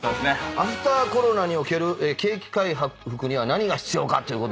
アフターコロナにおける景気回復には何が必要かってことでね。